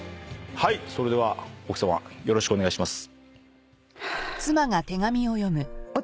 それでは奥さまよろしくお願いします。